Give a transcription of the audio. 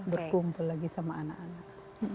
berkumpul lagi sama anak anak